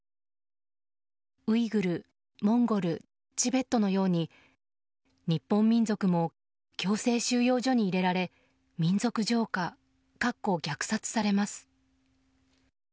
ウイグル、モンゴルチベットのように日本民族も強制収容所に入れられ民族浄化されます。